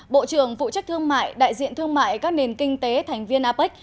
bộ trưởng phụ trách thương mại đại diện thương mại các nền kinh tế thành viên apec